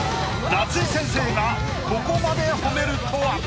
夏井先生がここまで褒めるとは！